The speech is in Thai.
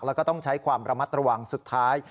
แล้วก็ต้องใช้ความระมัดระวังสุดท้าย